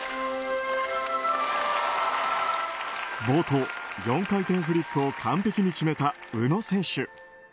冒頭４回転フリップを完璧に決めた宇野選手。